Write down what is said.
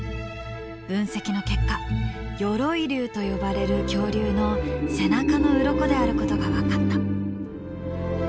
分析の結果鎧竜と呼ばれる恐竜の背中のウロコであることが分かった。